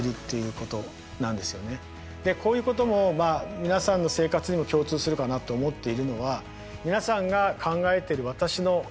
こういうことも皆さんの生活にも共通するかなと思っているのは皆さんが考えている私の生活